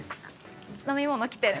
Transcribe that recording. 飲み物来てる。